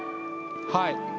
はい。